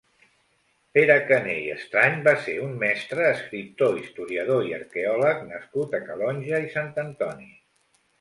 Pere Caner i Estrany va ser un mestre, escriptor, historiador i arqueòleg nascut a Calonge i Sant Antoni.